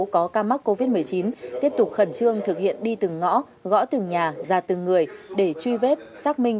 có ca mắc covid một mươi chín tiếp tục khẩn trương thực hiện đi từng ngõ gõ từng nhà ra từng người để truy vết xác minh